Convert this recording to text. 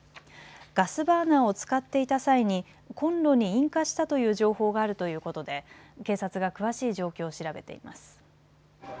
ガスバーナーを使っていた際にコンロに引火したという情報があるということで警察が詳しい状況を調べています。